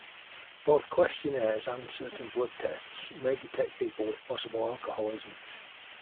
Both questionnaires and certain blood tests may detect people with possible alcoholism.